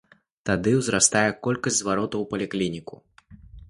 Тады ўзрастае колькасць зваротаў у паліклініку.